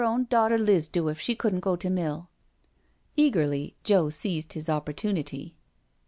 own daughter Liz do if she couldn't go to mill?" Eagerly Joe seized his opportunity.